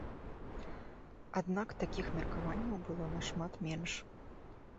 Аднак такіх меркаванняў было нашмат менш.